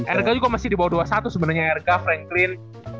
erga juga masih di bawah dua satu sebenernya erga franklin